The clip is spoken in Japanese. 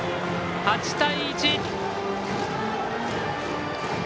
８対１。